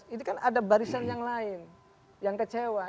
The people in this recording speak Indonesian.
ini kan ada barisan yang lain yang kecewa